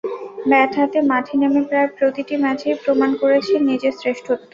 Bat হাতে মাঠে নেমে প্রায় প্রতিটি ম্যাচেই প্রমাণ করেছেন নিজের শ্রেষ্ঠত্ব।